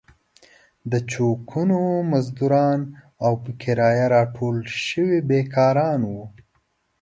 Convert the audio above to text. د چوکونو مزدوران او په کرايه راټول شوي بېکاران وو.